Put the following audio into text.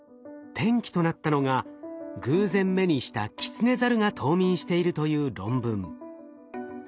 転機となったのが偶然目にしたキツネザルが冬眠しているという論文。